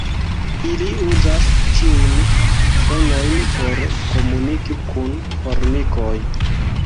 Ili uzas tiujn sonojn por komuniki kun formikoj.